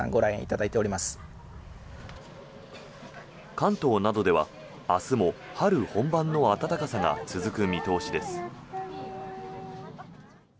関東などでは明日も春本番の温かさが続く見通しです。